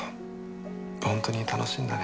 本当に楽しいんだね。